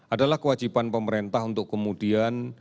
adalah kewajiban pemerintah untuk kemudian